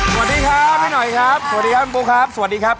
สวัสดีครับพี่หน่อยครับสวัสดีครับคุณบุ๊คครับสวัสดีครับ